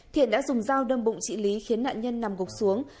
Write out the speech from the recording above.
thiện đã dùng dao đâm bụng chị lý khiến nạn nhân nằm gục xuống